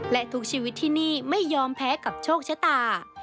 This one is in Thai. และทุกชีวิตที่นี่ไม่ยอมแพ้กับโชคชะตา